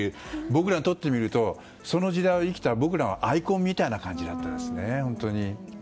僕らにとってみればその時代を生きた僕らのアイコンみたいな感じでしたね。